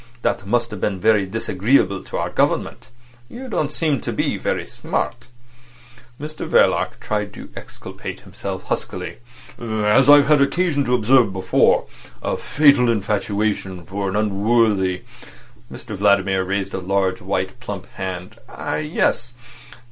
That must have been very disagreeable to our Government. You don't seem to be very smart." Mr Verloc tried to exculpate himself huskily. "As I've had occasion to observe before, a fatal infatuation for an unworthy—" Mr Vladimir raised a large white, plump hand. "Ah, yes.